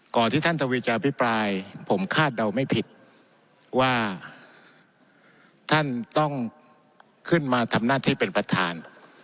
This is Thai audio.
ที่ท่านทวีจะอภิปรายผมคาดเดาไม่ผิดว่าท่านต้องขึ้นมาทำหน้าที่เป็นประธาน